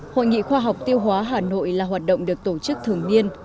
hội nghị khoa học tiêu hóa hà nội là hoạt động được tổ chức thường niên